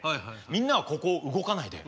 みんなはここを動かないで。